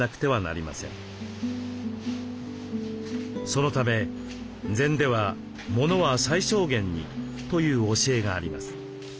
そのため禅では「物は最小限に」という教えがあります。